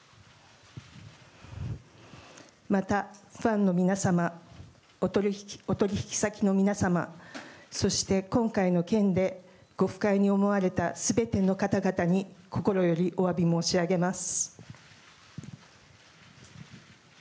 またファンの皆様、お取り引き先の皆様、そして今回の件でご不快に思われたすべての方々に心よりおわび申し上げます。